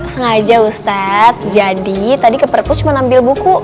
sengaja ustaz jadi tadi ke perpustakaan cuma nampil buku